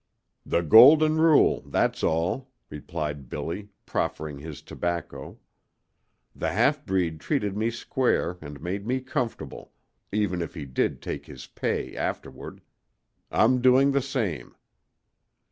"The Golden Rule, that's all," replied Billy, proffering his tobacco. "The half breed treated me square and made me comfortable, even if he did take his pay afterward. I'm doing the same."